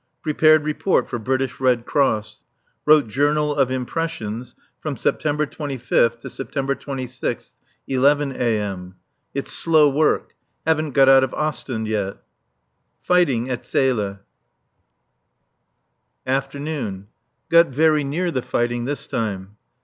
Prepared report for British Red Cross. Wrote "Journal of Impressions" from September 25th to September 26th, 11 A.M. It's slow work. Haven't got out of Ostend yet! Fighting at Zele. [Afternoon.] Got very near the fighting this time.